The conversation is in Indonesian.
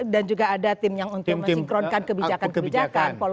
dan juga ada tim yang untuk meninkronkan kebijakan kebijakan